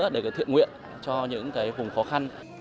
để thiện nguyện cho những vùng khó khăn